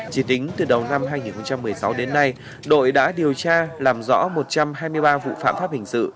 chỉ tính từ đầu năm hai nghìn một mươi sáu đến nay đội đã điều tra làm rõ một trăm hai mươi ba vụ phạm pháp hình sự